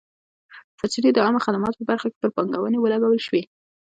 سرچینې د عامه خدماتو په برخه کې پر پانګونې ولګول شوې.